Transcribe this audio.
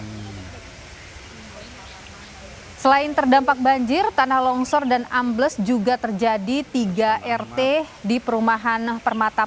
hai selain terdampak banjir tanah longsor dan ambles juga terjadi tiga rt di perumahan permata